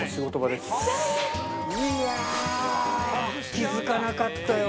気付かなかったよ